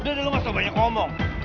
udah dari lo masa banyak ngomong